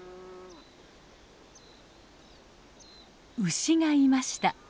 牛がいました。